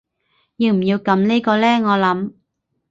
要唔要撳呢個呢我諗